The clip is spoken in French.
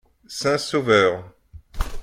Saint-Sauveur.